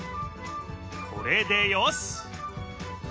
これでよしっ！